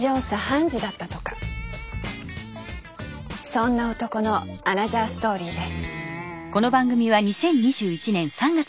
そんな男のアナザーストーリーです。